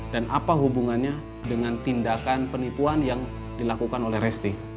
dan apa hubungannya dengan tindakan penipuan yang dilakukan oleh resty